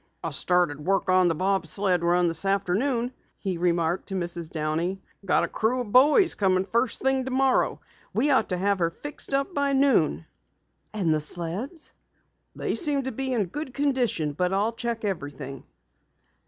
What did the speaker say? "I started work on the bob sled run this afternoon," he remarked to Mrs. Downey. "Got a crew of boys coming first thing tomorrow. We ought to have her fixed up by noon." "And the sleds?" "They seem to be in good condition, but I'll check everything."